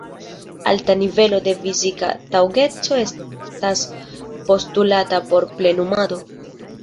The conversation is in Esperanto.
Alta nivelo de fizika taŭgeco estas postulata por plenumado.